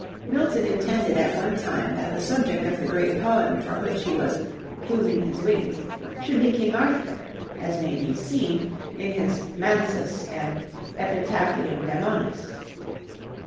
Milton intended at one time that the subject of the great poem for which he was "pluming his wings" should be King Arthur, as may be seen, in his 'Mansus' and 'Epitaphium Damonis.'